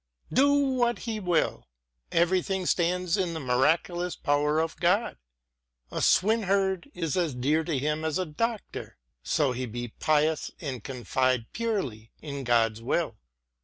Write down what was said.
Do what he will, everything stands in the mira culous power of God. A swineherd is as dear to him as a Doctor, so he be pious and confide purely in Gods will.